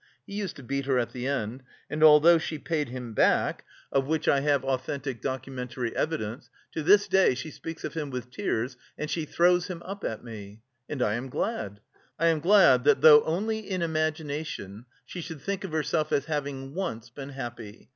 He used to beat her at the end: and although she paid him back, of which I have authentic documentary evidence, to this day she speaks of him with tears and she throws him up to me; and I am glad, I am glad that, though only in imagination, she should think of herself as having once been happy....